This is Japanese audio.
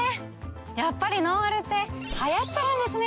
やっぱりノンアルって流行ってるんですね。